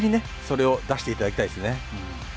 それを出して頂きたいですね。